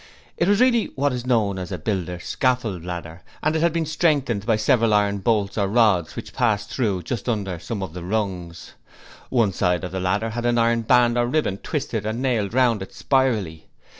It was really what is known as a builder's scaffold ladder, and it had been strengthened by several iron bolts or rods which passed through just under some of the rungs. One side of the ladder had an iron band or ribbon twisted and nailed round it spirally.